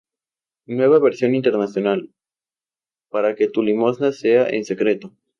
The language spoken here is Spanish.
Nueva Versión Internacional: "para que tu limosna sea en secreto.